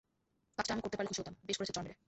কাজটা আমি করতে পারলে খুশী হতাম, বেশ করেছে চড় মেরে!